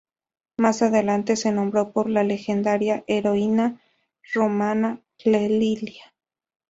Más adelante se nombró por la legendaria heroína romana Clelia.